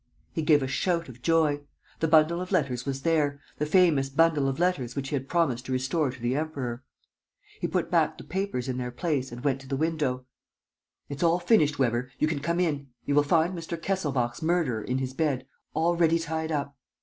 He gave a shout of joy: the bundle of letters was there, the famous bundle of letters which he had promised to restore to the Emperor. He put back the papers in their place and went to the window: "It's all finished, Weber! You can come in! You will find Mr. Kesselbach's murderer in his bed, all ready tied up.